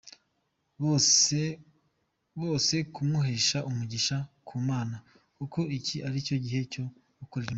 bose kumuhesha umugisha ku Mana kuko iki aricyo gihe cyo gukorera Imana.